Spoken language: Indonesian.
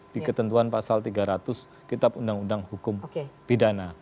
di ketentuan pasal tiga ratus kitab undang undang hukum pidana